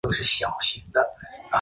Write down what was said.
这种保护机制常被弱小者所用。